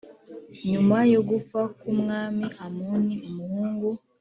Nyuma yo gupfa k Umwami Amoni umuhungu